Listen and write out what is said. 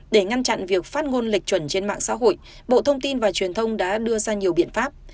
để ngăn chặn việc phát ngôn lệch chuẩn trên mạng xã hội bộ thông tin và truyền thông đã đưa ra nhiều biện pháp